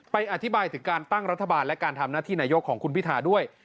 อธิบายถึงการตั้งรัฐบาลและการทำหน้าที่นายกของคุณพิธาด้วย